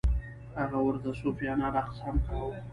هغه ورته صوفیانه رقص هم کاوه.